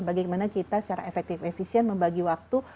bagaimana kita secara efektif efisien membagi waktu